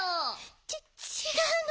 ちちがうの。